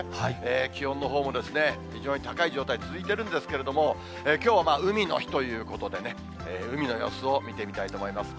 気温のほうもですね、非常に高い状態続いているんですけれども、きょう、海の日ということでね、海の様子を見てみたいと思います。